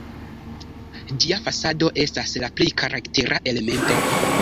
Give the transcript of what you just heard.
Ĝia fasado estas la plej karaktera elemento.